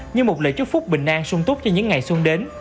như một lời chúc phúc bình an sung túc cho những ngày xuân đến